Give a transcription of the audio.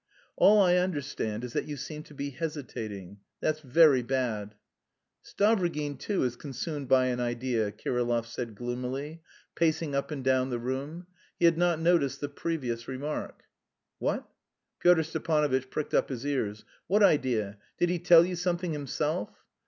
"All I understand is that you seem to be hesitating.... That's very bad." "Stavrogin, too, is consumed by an idea," Kirillov said gloomily, pacing up and down the room. He had not noticed the previous remark. "What?" Pyotr Stepanovitch pricked up his ears. "What idea? Did he tell you something himself?"